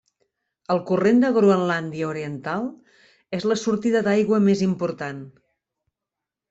El corrent de Groenlàndia Oriental és la sortida d'aigua més important.